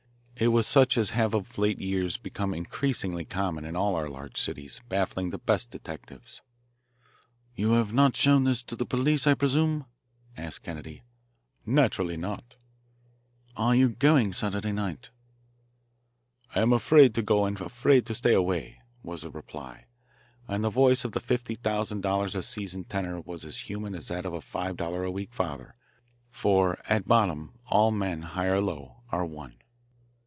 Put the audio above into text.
It was such as have of late years become increasingly common in all our large cities, baffling the best detectives. "You have not showed this to the police, I presume?" asked Kennedy. "Naturally not." "Are you going Saturday night?" "I am afraid to go and afraid to stay away," was the reply, and the voice of the fifty thousand dollars a season tenor was as human as that of a five dollar a week father, for at bottom all men, high or low, are one.